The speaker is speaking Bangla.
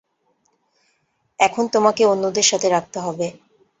এখন তোমাকে অন্যদের সাথে রাখতে হবে।